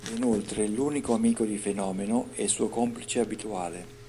È inoltre l'unico amico di Fenomeno e suo complice abituale.